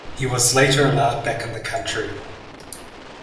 He was later allowed back in the country.